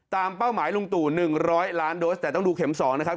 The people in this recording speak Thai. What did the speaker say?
เป้าหมายลุงตู่๑๐๐ล้านโดสแต่ต้องดูเข็ม๒นะครับ